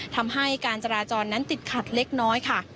ทำให้การจราจรนั้นติดขัดเล็กน้อยค่ะ